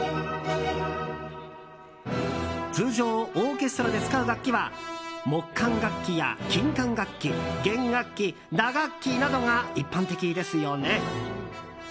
通常、オーケストラで使う楽器は木管楽器や金管楽器弦楽器、打楽器などが一般的ですよね。